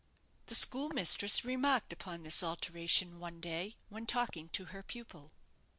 The schoolmistress remarked upon this alteration one day, when talking to her pupil.